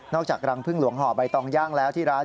จากรังพึ่งหลวงห่อใบตองย่างแล้วที่ร้าน